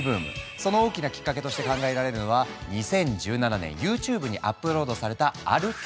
その大きなきっかけとして考えられるのは２０１７年ＹｏｕＴｕｂｅにアップロードされたある曲。